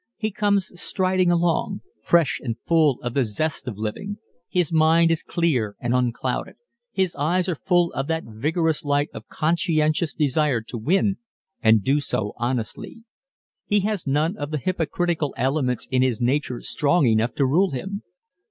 He comes striding along, fresh and full of the zest of living. His mind is clear and unclouded. His eyes are full of that vigorous light of conscientious desire to win and do so honestly. He has none of the hypocritical elements in his nature strong enough to rule him.